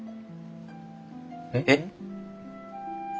えっ？